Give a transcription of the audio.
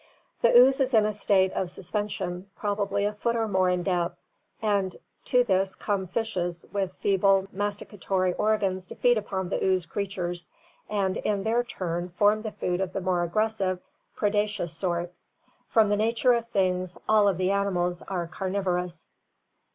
The ooze is in a state of suspen sion, probably a foot or more in depth, and to this come fishes with feeble masticatory organs to feed upon the ooze creatures, and in their turn form the food of the more aggressive, predaceous sort. From the nature of things all of the animals are carnivorous.